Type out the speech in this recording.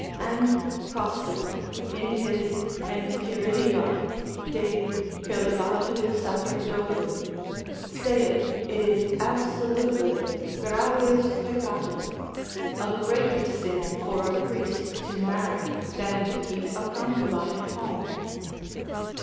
And Coster in his Enchirid. de coelibat. sacerdotum, saith it is absolutely gravius peccatum, a greater sin for a priest to marry, than to keep a concubine at home.